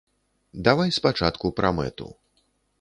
Давай спачатку пра мэту!